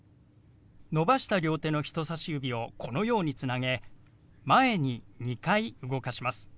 伸ばした両手の人さし指をこのようにつなげ前に２回動かします。